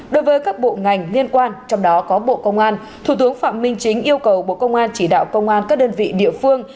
đối với các bộ ngành liên quan trong đó có bộ công an thủ tướng phạm minh chính yêu cầu bộ công an chỉ đạo công an các đơn vị địa phương